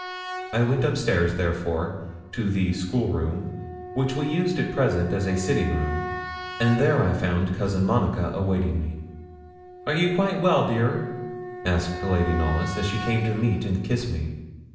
I went up stairs, therefore, to the 'school room,' which we used at present as a sitting room, and there I found Cousin Monica awaiting me. 'Are you quite well, dear?' asked Lady Knollys, as she came to meet and kiss me.